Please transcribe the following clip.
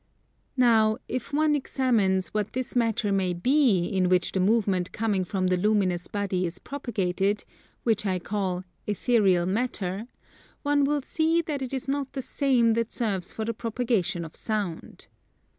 Now if one examines what this matter may be in which the movement coming from the luminous body is propagated, which I call Ethereal matter, one will see that it is not the same that serves for the propagation of Sound.